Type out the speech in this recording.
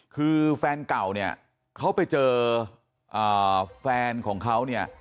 คือแฟนเก่าเนี่ยเขาไปเจอแฟนของเขาเนี่ย